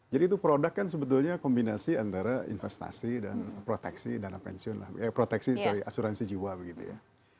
jadi itu produk kan sebetulnya kombinasi antara investasi dan proteksi asuransi jiwa begitu ya